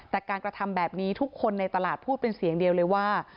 แต่การกระทำแบบนี้ทุกคนในตลาดพูดเป็นเสียงเดียวเลยว่า